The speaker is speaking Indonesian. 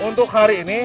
untuk hari ini